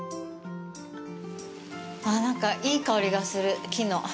あっ、なんかいい香りがする、木の。